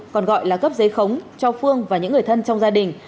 còn gọi là cấp giấy khống cho phương và những người thân trong gia đình